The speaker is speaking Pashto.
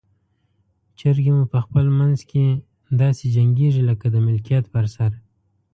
چرګې مو په خپل منځ کې داسې جنګیږي لکه د ملکیت پر سر.